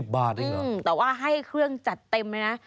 บาทเองเหรอแต่ว่าให้เครื่องจัดเต็มเลยนะ